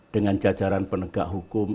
dengan jajaran penegak hukum